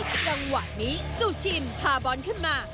จังหวะนี้ซูชินพาบอลขึ้นมา